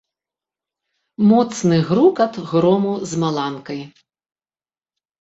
Моцны грукат грому з маланкай.